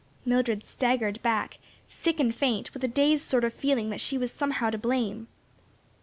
Mildred staggered back, sick and faint, and with a dazed sort of feeling that she was somehow to blame.